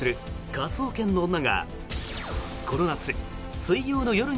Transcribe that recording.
「科捜研の女